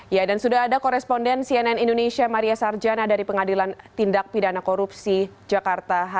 ya dan sudah ada koresponden cnn indonesia maria sarjana dari pengadilan tindak pidana korupsi jakarta